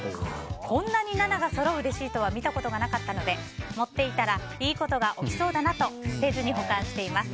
こんなに７がそろうレシートは見たことがなかったので持っていたらいいことが起きそうだなと捨てずに保管しています。